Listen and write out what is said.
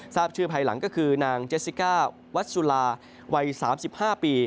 ทราบชื่อภายหลังก็คือนางเจสสิก้าวัดสุลาวัย๓๕ปี